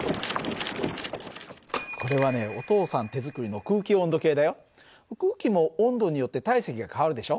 これはねお父さん手作りの空気も温度によって体積が変わるでしょ？